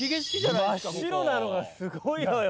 真っ白なのがすごいのよ